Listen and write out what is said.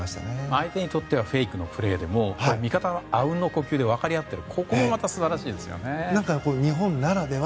相手にとってはフェイクのプレーでも味方はあうんの呼吸で分かりあっている。